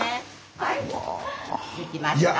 はい出来ました。